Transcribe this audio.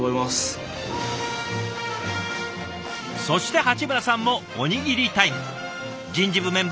そして鉢村さんもおにぎりタイム。